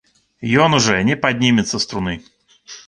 Ён ужо не паднімецца з труны.